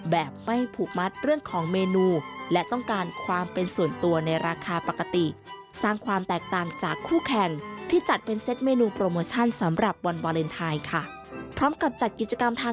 แบบไม่ผูกมัดเรื่องของเมนูและต้องการความเป็นส่วนตัวในราคาปกติ